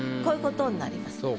こういうことになります。